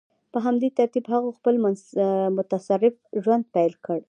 په همدې ترتیب هغوی خپل متصرف ژوند پیل کړ.